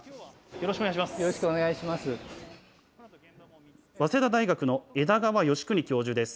よろしくお願いします。